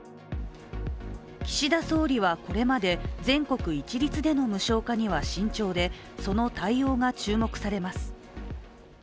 岸田総理はこれまで、全国一律での無償化には慎重で、その対応が注目されます。